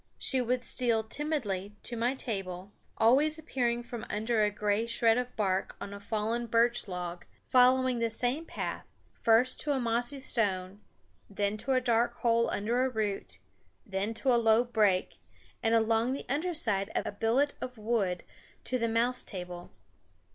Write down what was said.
She would steal timidly to my table, always appearing from under a gray shred of bark on a fallen birch log, following the same path, first to a mossy stone, then to a dark hole under a root, then to a low brake, and along the underside of a billet of wood to the mouse table.